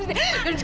pulang dari sini